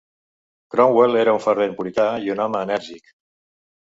Cromwell era un fervent purità i un home enèrgic.